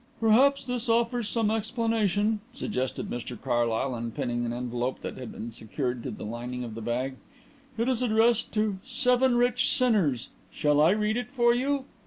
"Perhaps this offers some explanation," suggested Mr Carlyle, unpinning an envelope that had been secured to the lining of the bag. "It is addressed 'To Seven Rich Sinners.' Shall I read it for you?"